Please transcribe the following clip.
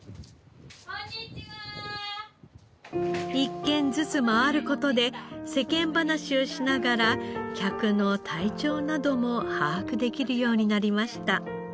１軒ずつ回る事で世間話をしながら客の体調なども把握できるようになりました。